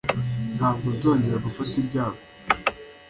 Ntabwo nzongera gufata ibyago